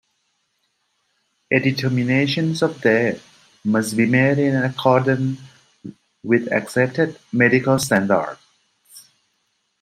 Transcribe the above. A determination of death must be made in accordance with accepted medical standards.